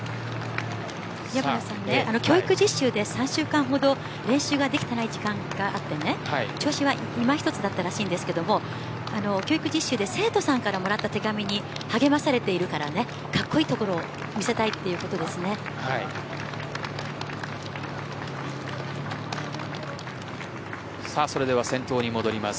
山賀さんは教育実習で３週間ほど練習ができていない時間があって調子はいまひとつだったらしいんですが教育実習で生徒さんからもらった手紙に励まされているので格好いいところをそれでは先頭に戻ります。